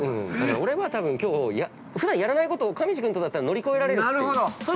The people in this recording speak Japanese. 俺は、多分きょうふだんやらないことを上地君とだったら乗り越えられるっていう。